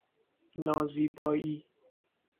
نازیبائی